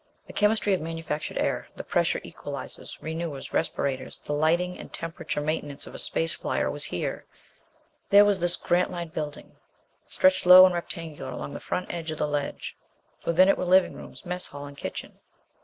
The chemistry of manufactured air, the pressure equalizers, renewers, respirators, the lighting and temperature maintenance of a space flyer was here. There was this main Grantline building, stretched low and rectangular along the front edge of the ledge. Within it were living rooms, mess hall and kitchen.